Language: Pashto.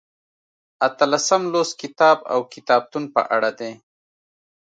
اتلسم لوست کتاب او کتابتون په اړه دی.